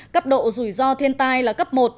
cấp độ rủi ro thiên tai là cấp một